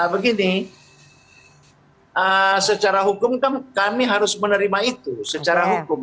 begini secara hukum kan kami harus menerima itu secara hukum